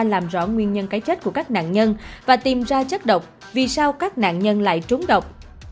làm rõ nguyên nhân cái chết của các nạn nhân và tìm ra chất độc vì sao các nạn nhân lại trúng độc